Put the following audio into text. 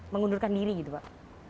mengundurkan diri gitu pak